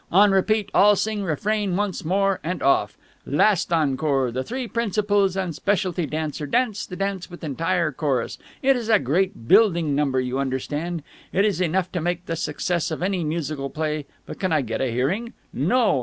On repeat, all sing refrain once more, and off. Last encore, the three principals and specialty dancer dance the dance with entire chorus. It is a great building number, you understand. It is enough to make the success of any musical play, but can I get a hearing? No!